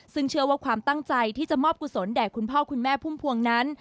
ซึ่งเชื่อว่าความตั้งใจที่จะมอบกุศลแด่คุณพ่อคุณแม่พุ่มพวงนั้น